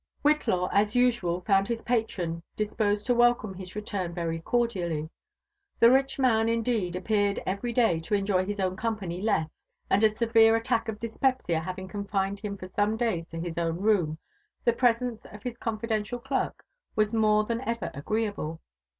Whillaw, as usual, found his patron disposed to welcome his return very cordially. The rich man, indeed, appeared every day to em'oy his own company less, and a severe attack of dyspepsia having confined him for some days. to his own room, the presence of his confidential clerk was more than ever agreeable.